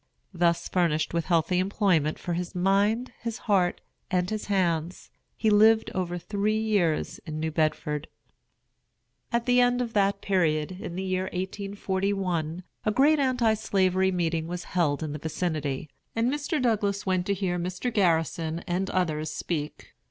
Thus furnished with healthy employment for his mind, his heart, and his hands, he lived over three years in New Bedford. At the end of that period, in the year 1841, a great Anti Slavery meeting was held in the vicinity, and Mr. Douglass went to hear Mr. Garrison and others speak.